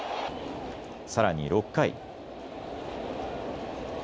さらに６回。